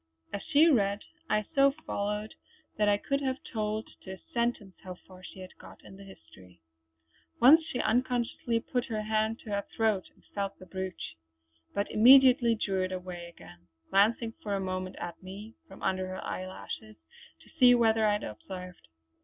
As she read I so followed that I could have told to a sentence how far she had got in the history. Once she unconsciously put her hand to her throat and felt the brooch; but immediately drew it away again, glancing for a moment at me from under her eyelashes to see whether I had observed.